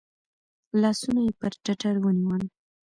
لاسونه یې پر ټتر ونیول .